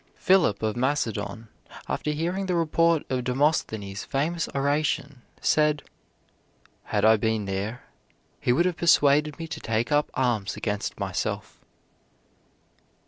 Philip of Macedon, after hearing the report of Demosthenes' famous oration, said: "Had I been there he would have persuaded me to take up arms against myself."